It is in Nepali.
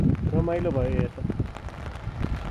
रमाइलो भयो हेर्न।